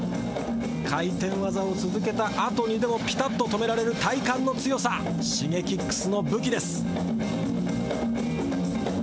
回転技を続けたあとにでもピタッと止められる体幹の強さＳｈｉｇｅｋｉｘの武器です。